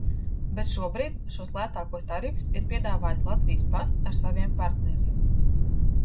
"Bet šobrīd šos lētākos tarifus ir piedāvājis "Latvijas pasts" ar saviem partneriem."